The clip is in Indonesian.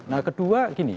nah kedua gini